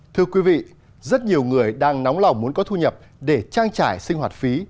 thưa quý vị rất nhiều người đang nóng lòng muốn có thu nhập để trang trải sinh hoạt phí